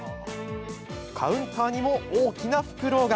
カウンターにも大きなふくろうが。